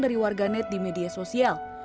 dari warganet di media sosial